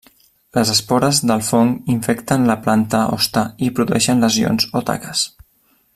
Les espores del fong infecten la planta hoste i produeixen lesions o taques.